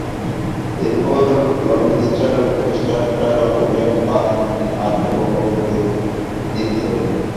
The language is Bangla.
এরপর লবস্টার খোসাটা ওভেনে পাঁচ মিনিট হালকা গরম করে নিতে হবে।